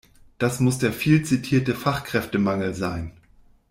Das muss der viel zitierte Fachkräftemangel sein.